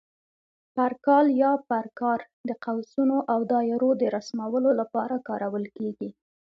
پر کال یا پر کار د قوسونو او دایرو د رسمولو لپاره کارول کېږي.